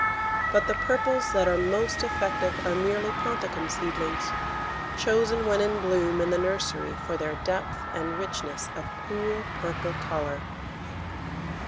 But the purples that are most effective are merely ponticum seedlings, chosen when in bloom in the nursery for their depth and richness of cool purple colour.